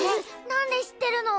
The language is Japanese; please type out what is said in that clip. なんでしってるの？